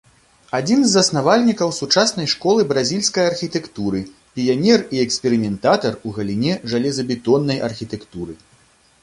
Адзін з заснавальнікаў сучаснай школы бразільскай архітэктуры, піянер і эксперыментатар у галіне жалезабетоннай архітэктуры.